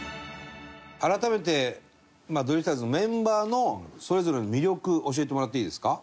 改めてドリフターズのメンバーのそれぞれの魅力教えてもらっていいですか？